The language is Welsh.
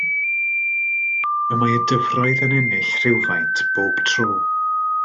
Y mae y dyfroedd yn ennill rhywfaint bob tro.